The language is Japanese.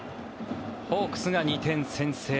ホークスが２点先制。